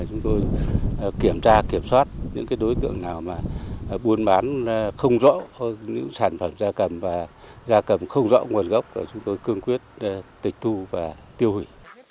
chúng tôi kiểm tra kiểm soát những đối tượng nào buôn bán không rõ sản phẩm gia cầm không rõ nguồn gốc chúng tôi cương quyết tịch thu và tiêu hủy